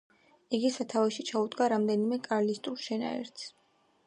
იგი სათავეში ჩაუდგა რამდენიმე კარლისტურ შენაერთს.